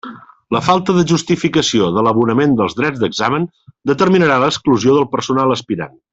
La falta de justificació de l'abonament dels drets d'examen determinarà l'exclusió del personal aspirant.